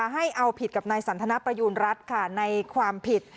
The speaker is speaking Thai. ให้เอาผิดกับนายสันทนประยูณรัฐในความผิด